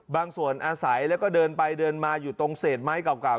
ส่วนอาศัยแล้วก็เดินไปเดินมาอยู่ตรงเศษไม้เก่า